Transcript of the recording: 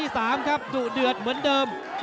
สุดเดือดเหมือนเดิม